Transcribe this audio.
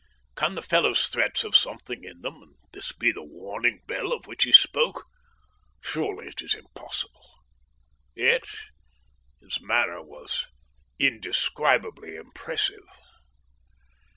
Can the fellow's threats have something in them and this be the warning bell of which he spoke? Surely it is impossible. Yet his manner was indescribably impressive.